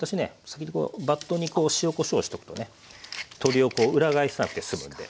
先ほどバットにこう塩・こしょうをしておくとね鶏を裏返さなくて済むんで。